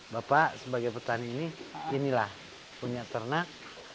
bapak sebagai petani ini inilah punya ternak